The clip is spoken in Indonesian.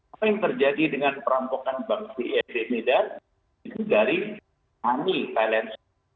apa yang terjadi dengan perampokan bank via di medan itu dari ami thailand